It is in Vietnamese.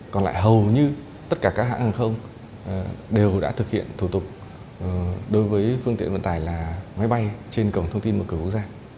còn lại hầu như tất cả các hãng hàng không đều đã thực hiện thủ tục đối với phương tiện vận tải là máy bay trên cổng thông tin một cửa quốc gia